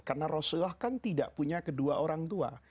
karena rasulullah kan tidak punya kedua orang tua